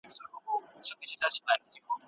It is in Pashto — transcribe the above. ګلالۍ سابه په پټي کې د کارګرانو لپاره راوړي وو.